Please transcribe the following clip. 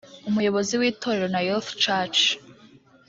Umuyobozi w’itorero Nayoth Church